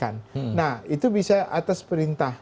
nah itu bisa atas perintah